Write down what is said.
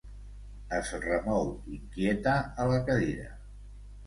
Es remou inquieta a la cadira.